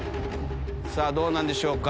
さぁどうなんでしょうか？